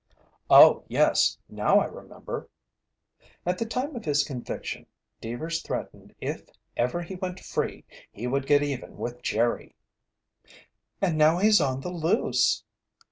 "Oh, yes, now I remember." "At the time of his conviction, Deevers threatened if ever he went free, he would get even with Jerry." "And now he's on the loose!"